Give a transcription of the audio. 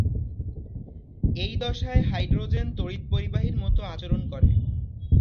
এই দশায়, হাইড্রোজেন তড়িৎ পরিবাহীর মত আচরণ করে।